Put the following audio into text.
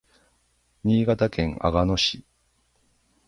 新潟県阿賀野市